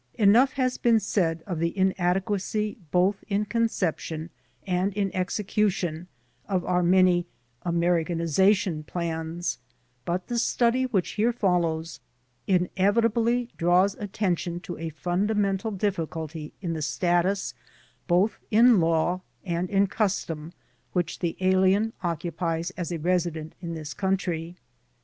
Enough has been said of the inadequacy both in conception and in execution of our many "Americaniza tion" plans but the study which here follows inevitably drav^s attention to a fundamental difficulty in the status both in law and in custom which the alien occupies as a resident in this country.